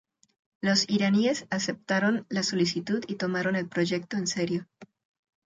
Los iraníes aceptaron la solicitud y tomaron el proyecto en serio.